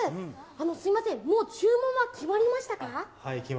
すみません、もう注文は決まりましたか？